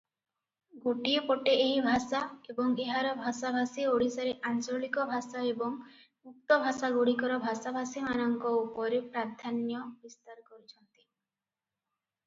ଗୋଟିଏ ପଟେ ଏହି ଭାଷା ଏବଂ ଏହାର ଭାଷାଭାଷୀ ଓଡ଼ିଶାରେ ଆଞ୍ଚଳିକ ଭାଷା ଏବଂ ଉକ୍ତ ଭାଷାଗୁଡ଼ିକର ଭାଷାଭାଷୀମାନଙ୍କ ଉପରେ ପ୍ରାଧାନ୍ୟ ବିସ୍ତାର କରିଛନ୍ତି ।